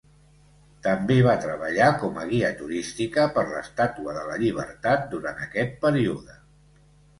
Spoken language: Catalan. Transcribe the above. També va treballar com a guia turística per l'Estàtua de la Llibertat durant aquest període.